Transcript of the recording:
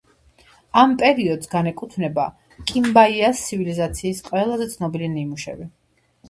ამ პერიოდს განეკუთვნება კიმბაიას ცივილიზაციის ყველაზე ცნობილი ნიმუშები.